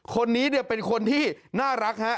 คนนี้เป็นคนที่น่ารักฮะ